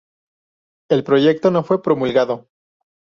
El proyecto no fue promulgado.